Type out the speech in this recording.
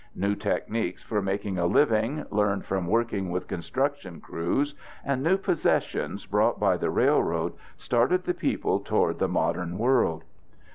New techniques for making a living, learned from working with construction crews, and new possessions brought by the railroad, started the people toward the modern world.